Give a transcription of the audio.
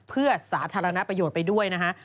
เพื่อสาธารณประโยชน์ไปด้วยนะฮะ